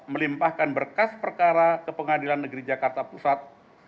melimpahkan berkas perkara kepengadilan negeri jakarta pusat